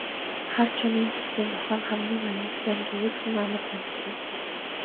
Хар чонын зүстэй нохойн хамгийн аюултай нь гэвэл хүн амар танихгүй.